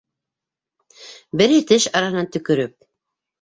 Береһе теш араһынан төкөрөп: